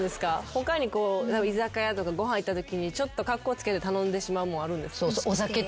他に居酒屋とかご飯行ったときにちょっとカッコつけて頼んでしまうもんあるんですか？